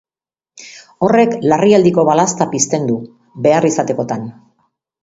Horrek larrialdiko balazta pizten du, behar izatekotan.